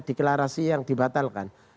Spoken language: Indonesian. deklarasi yang dibatalkan